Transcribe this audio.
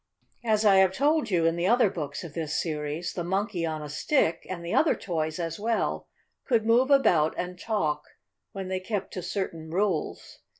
As I have told you in the other books of this series, the Monkey on a Stick, and the other toys as well, could move about and talk, when they kept to certain rules.